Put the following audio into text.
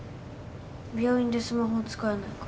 病院でスマホ使えないから。